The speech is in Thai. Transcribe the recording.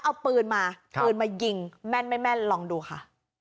เอาปืนมาปืนมายิงแม่นไม่แม่นลองดูค่ะ